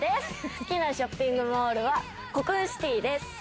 好きなショッピングモールはコクーンシティです。